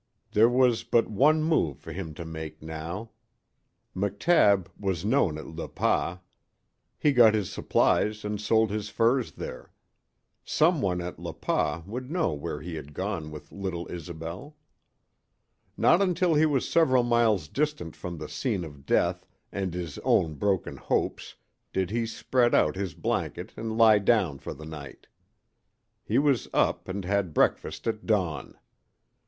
There was but one move for him to make now. McTabb was known at Le Pas. He got his supplies and sold his furs there. Some one at Le Pas would know where he had gone with little Isobel. Not until he was several miles distant from the scene of death and his own broken hopes did he spread out his blanket and lie down for the night. He was up and had breakfast at dawn.